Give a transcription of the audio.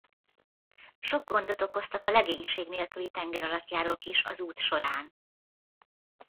Sok gondot okoztak a legénység nélküli tengeralattjárók is az út során.